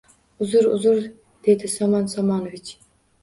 Uzr-uzr, dedi Somon Somonovich